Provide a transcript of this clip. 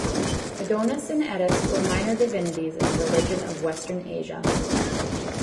Adonis and Attis were minor divinities in the religion of Western Asia.